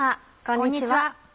こんにちは。